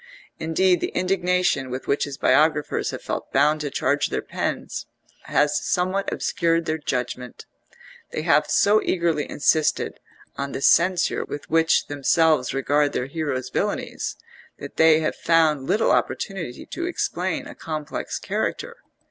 Indeed the indignation with which his biographers have felt bound to charge their pens has somewhat obscured their judgment; they have so eagerly insisted on the censure with which themselves regard their hero's villainies, that they have found little opportunity to explain a complex character.